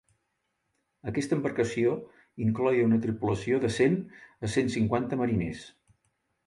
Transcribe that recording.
Aquesta embarcació incloïa una tripulació de cent a cent cinquanta mariners.